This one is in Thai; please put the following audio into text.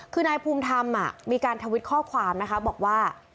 คือนายภูมิธรรมมีการทวิตข้อความนะคะบอกว่า